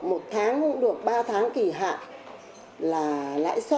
một tháng cũng được ba tháng kỳ hạn là lãi suất